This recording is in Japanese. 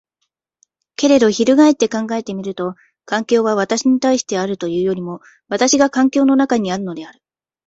けれど翻って考えてみると、環境は私に対してあるというよりも私が環境の中にあるのである。